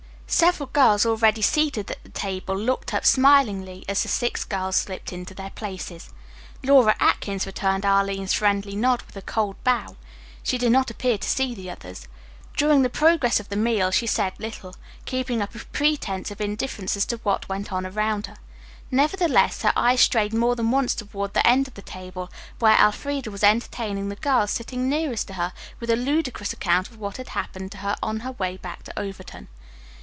Several girls already seated at the table looked up smilingly as the six girls slipped into their places. Laura Atkins returned Arline's friendly nod with a cold bow. She did not appear to see the others. During the progress of the meal she said little, keeping up a pretense of indifference as to what went on around her. Nevertheless her eyes strayed more than once toward the end of the table where Elfreda was entertaining the girls sitting nearest to her with a ludicrous account of what had happened to her on her way back to Overton.